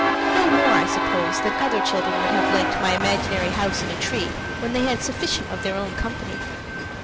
No more, I suppose, than other children would have liked my imaginary house in a tree when they had had sufficient of their own company.